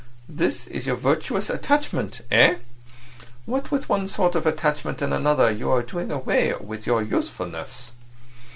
This is your virtuous attachment—eh? What with one sort of attachment and another you are doing away with your usefulness."